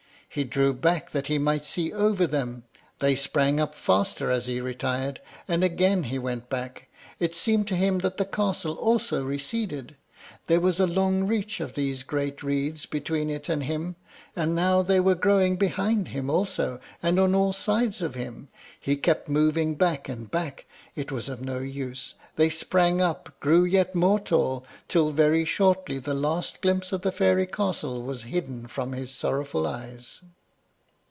He drew back that he might see over them; they sprang up faster as he retired, and again he went back. It seemed to him that the castle also receded; there was a long reach of these great reeds between it and him, and now they were growing behind also, and on all sides of him. He kept moving back and back: it was of no use, they sprang up and grew yet more tall, till very shortly the last glimpse of the fairy castle was hidden from his sorrowful eyes.